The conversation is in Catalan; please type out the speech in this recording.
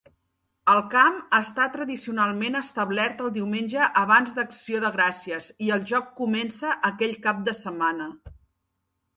El camp està tradicionalment establert el diumenge abans d'acció de gràcies i el joc comença aquell cap de setmana.